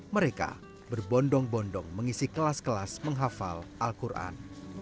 mereka berbondong bondong mengisi kelas kelas menghafal al quran